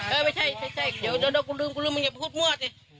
เออไม่ใช่เดี๋ยวกูลืมกูลืมมึงอย่าพูดมั่วสิ